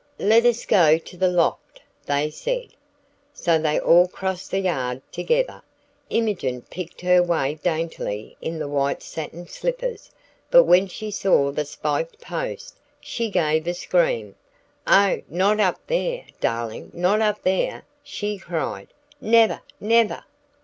"Let us go to the Loft," they said. So they all crossed the yard together. Imogen picked her way daintily in the white satin slippers, but when she saw the spiked post, she gave a scream. "Oh, not up there, darling, not up there!". she cried; "never, never!"